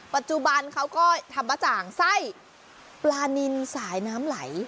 ปัจจุบันเขาก็ทำบะจ่างไส้ปลานินสายน้ำไหล